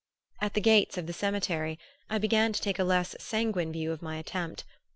At the gates of the cemetery I began to take a less sanguine view of my attempt.